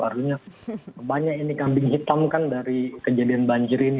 artinya banyak ini kambing hitam kan dari kejadian banjir ini